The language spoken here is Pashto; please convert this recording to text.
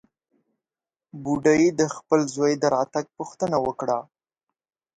بوډۍ د خپل زوى د راتګ پوښتنه وکړه.